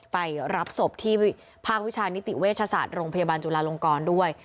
ไปรับศพที่ภาควิชานิติเวชศาสตร์โรงพยาบาลจุลาลงกรด้วย